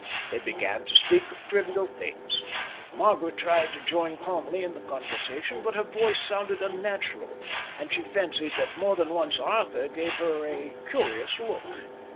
They began to speak of trivial things. Margaret tried to join calmly in the conversation, but her voice sounded unnatural, and she fancied that more than once Arthur gave her a curious look.